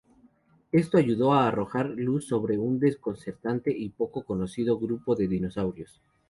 Esto ayudó a arrojar luz sobre un desconcertante y poco conocido grupo de dinosaurios.